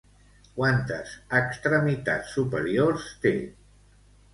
Quantes extremitats superiors té?